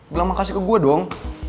bilang makasih ke gue dong